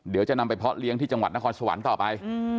เดี๋ยวจะนำไปเพาะเลี้ยงที่จังหวัดนครสวรรค์ต่อไป